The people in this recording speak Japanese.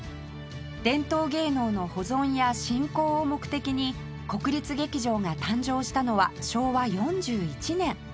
伝統芸能の保存や振興を目的に国立劇場が誕生したのは昭和４１年